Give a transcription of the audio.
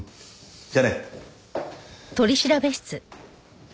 じゃあね。